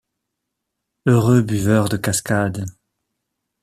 Heureux buveur de cascade!